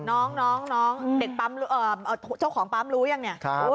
น้องเจ้าของปั๊มรู้หรือยัง